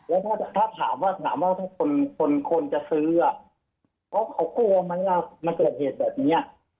แล้วถ้าถามว่าถามว่าถ้าคนคนจะซื้อเพราะเขากลัวไหมว่ามันเกิดเหตุแบบนี้